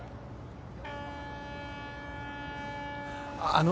あの。